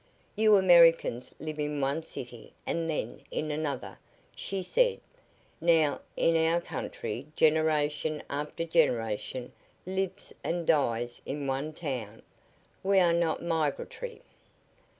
"You Americans live in one city and then in another," she said. "Now, in our country generation after generation lives and dies in one town. We are not migratory."